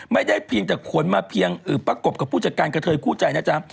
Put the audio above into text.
ไม่ได้เพียงแต่ขนมาเพียงอืบประกบกับผู้จัดการกะเทยผู้ใจนะจ๊ะ